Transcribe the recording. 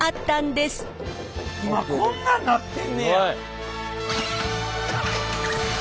今こんなんなってんねや！